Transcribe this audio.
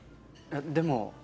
でも。